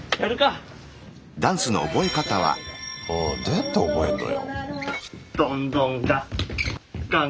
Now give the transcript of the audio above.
どうやって覚えんのよ？